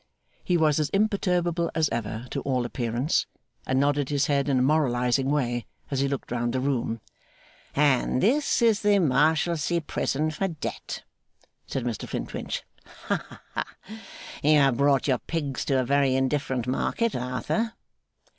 He was as imperturbable as ever, to all appearance, and nodded his head in a moralising way as he looked round the room. 'And this is the Marshalsea prison for debt!' said Mr Flintwinch. 'Hah! you have brought your pigs to a very indifferent market, Arthur.